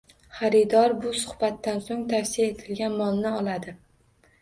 Xaridor bu suhbatdan so'ng tavsiya etilgan molni oladi